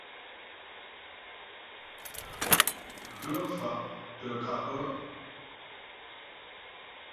Ghə̀ fà' tə ŋkâp.